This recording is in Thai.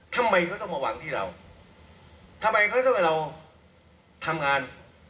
ทำไมเขาต้องมาวางที่เราทำไมเขาต้องให้เราทำงาน